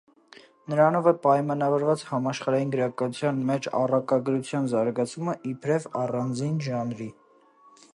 Նրանով է պայմանավորված համաշխարհային գրականության մեջ առակագրության զարգացումը՝ իբրև առանձին ժանրի։